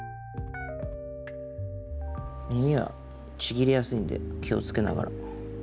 耳はちぎれやすいんで気をつけながら。